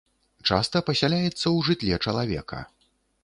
Часта пасяляецца ў жытле чалавека.